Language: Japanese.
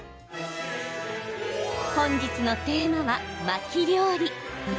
本日のテーマは巻き料理。